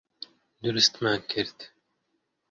دروستمان کرد.